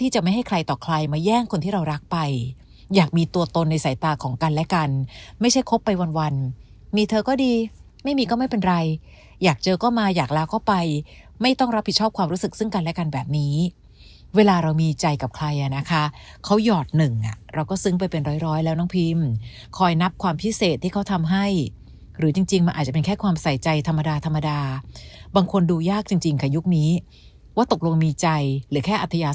ใจต่อใครมาแย่งคนที่เรารักไปอยากมีตัวตนในสายตาของกันและกันไม่ใช่คบไปวันมีเธอก็ดีไม่มีก็ไม่เป็นไรอยากเจอก็มาอยากลาก็ไปไม่ต้องรับผิดชอบความรู้สึกซึ้งกันและกันแบบนี้เวลาเรามีใจกับใครนะคะเขาหยอดหนึ่งเราก็ซึ้งไปเป็นร้อยแล้วน้องพิมคอยนับความพิเศษที่เขาทำให้หรือจริงมันอาจจะเป็นแค่ค